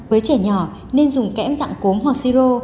với trẻ nhỏ nên dùng kém dạng cốm hoặc si rô